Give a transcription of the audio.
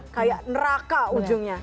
kayak neraka ujungnya